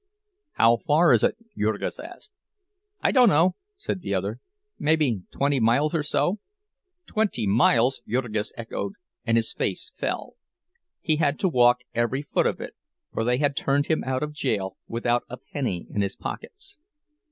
"How far is it?" Jurgis asked. "I dunno," said the other. "Mebbe twenty miles or so." "Twenty miles!" Jurgis echoed, and his face fell. He had to walk every foot of it, for they had turned him out of jail without a penny in his pockets.